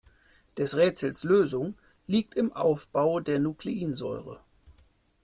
Des Rätsels Lösung liegt im Aufbau der Nukleinsäure.